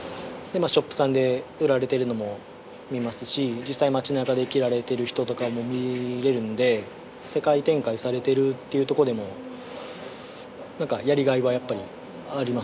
まあショップさんで売られてるのも見ますし実際街なかで着られてる人とかも見れるんで世界展開されてるっていうとこでもやりがいはやっぱりありますね。